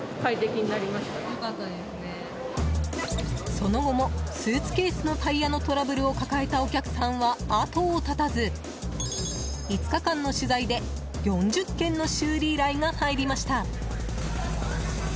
その後もスーツケースのタイヤのトラブルを抱えたお客さんは後を絶たず５日間の取材で４０件の修理依頼が入りました。